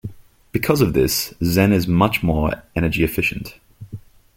Because of this, Zen is much more energy efficient.